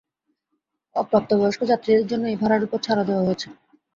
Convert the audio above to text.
অপ্রাপ্তবয়স্ক যাত্রীদের জন্য এই ভাড়ার ওপর ছাড়ও দেওয়া হয়েছে।